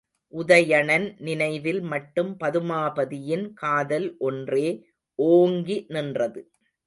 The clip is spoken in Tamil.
உதயணன் நினைவில் மட்டும் பதுமாபதியின் காதல் ஒன்றே ஓங்கி நின்றது.